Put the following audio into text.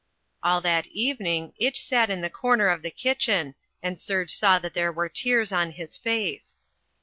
All that evening Itch sat in the corner of the kitchen, and Serge saw that there were tears on his face.